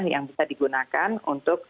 yang bisa digunakan untuk